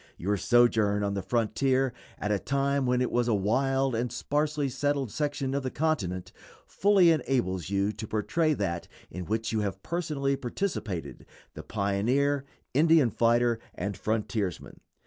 Your sojourn on the frontier at a time when it was a wild and sparsely settled section of the continent fully enables you to portray that in which you have personally participated the pioneer, Indian fighter, and frontiersman.